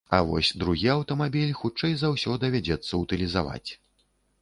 А вось другі аўтамабіль, хутчэй за ўсё, давядзецца ўтылізаваць.